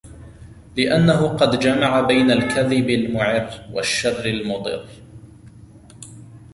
لِأَنَّهُ قَدْ جَمَعَ بَيْنَ الْكَذِبِ الْمُعِرِّ وَالشَّرِّ الْمُضِرِّ